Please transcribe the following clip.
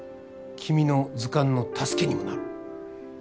君の図鑑の助けにもなる。